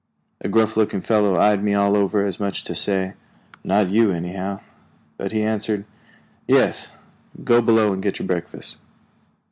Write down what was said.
A gruff looking fellow eyed me all over as much as to say, "Not you anyhow." But he answered, "Yes. Go below and get your breakfast."